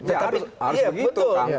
ya harus begitu kang